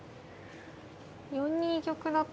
４二玉だと。